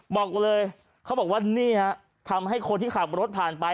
บอกเลยเขาบอกว่านี่ฮะทำให้คนที่ขับรถผ่านไป